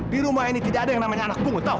di rumah ini tidak ada yang namanya anak bungu